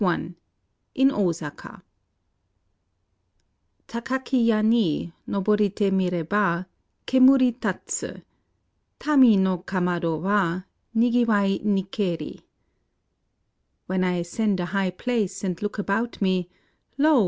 VII IN OSAKA Takdki ya ni NohoriU mir^ha Kemuri tatsu ;— Tami no kamado wa Nigiwai ni Mri. (When I ascend a high place and look ahout me, lo